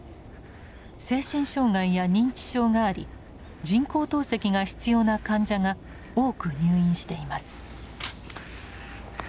精神障害や認知症があり人工透析が必要な患者が多く入院しています。